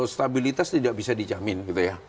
stabilitas tidak bisa dijamin gitu ya